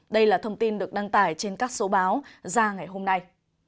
đây là thông tin được đăng tải trên các số báo ra ngày hôm nay